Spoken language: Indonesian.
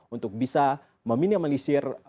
untuk bisa meminimalisir